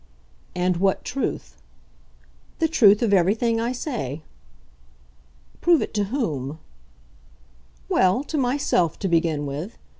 "And what truth?" "The truth of everything I say." "Prove it to whom?" "Well, to myself, to begin with.